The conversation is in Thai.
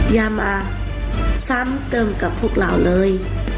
อย่ามาซ้ำเติมกับพวกเราเลย